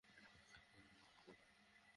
ওদের ব্যবস্থা করো।